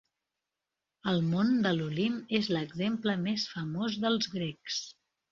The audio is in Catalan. El Mont de l'Olimp és l'exemple més famós dels grecs.